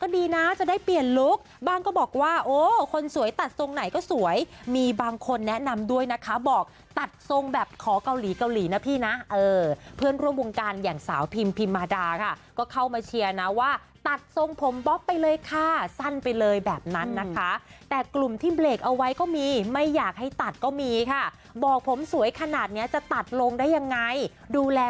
ดีนะจะได้เปลี่ยนลุคบ้างก็บอกว่าโอ้คนสวยตัดทรงไหนก็สวยมีบางคนแนะนำด้วยนะคะบอกตัดทรงแบบขอเกาหลีเกาหลีนะพี่นะเออเพื่อนร่วมวงการอย่างสาวพิมพิมมาดาค่ะก็เข้ามาเชียร์นะว่าตัดทรงผมบ๊อบไปเลยค่ะสั้นไปเลยแบบนั้นนะคะแต่กลุ่มที่เบรกเอาไว้ก็มีไม่อยากให้ตัดก็มีค่ะบอกผมสวยขนาดเนี้ยจะตัดลงได้ยังไงดูแล